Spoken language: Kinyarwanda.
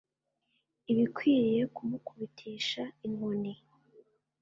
ibikwiriye kumukubitisha inkoni